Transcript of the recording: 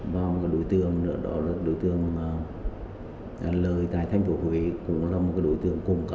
và một đối tượng lời tại tp hcm cũng là một đối tượng công an